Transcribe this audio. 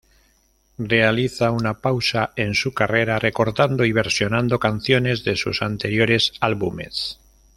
Realiza una pausa en su carrera, recordando y versionando canciones de sus anteriores álbumes.